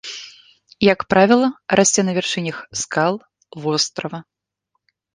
Як правіла, расце на вяршынях скал вострава.